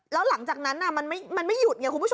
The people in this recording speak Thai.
แล้วหลังจากนั้นน่ะมันไม่มันไม่หยุดเนี่ยคุณผู้ชม